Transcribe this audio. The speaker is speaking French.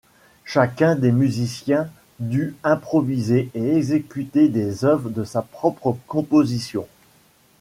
Chacun des musiciens dut improviser et exécuter des œuvres de sa propre composition.